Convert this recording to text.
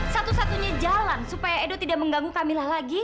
satu satunya jalan supaya edo tidak mengganggu kamilah lagi